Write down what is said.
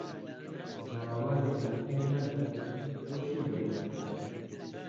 زاوا لە بووکێ مەدە بۆچی لە بووکت داوە